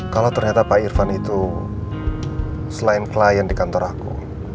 kalau ternyata pak irfan itu selain klien di kantor aku